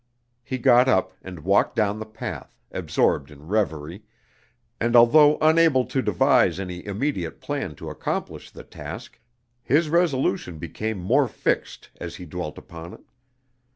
He got up and walked down the path, absorbed in reverie, and although unable to devise any immediate plan to accomplish the task, his resolution became more fixed as he dwelt upon it.